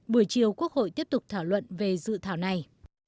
buổi chiều quốc hội tiếp tục thảo luận về dự thảo này